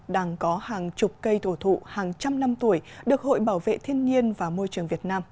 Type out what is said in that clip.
đang có hàng chục cây thổ thụ hàng trăm năm tuổi được hội bảo vệ thiên nhiên và môi trường việt nam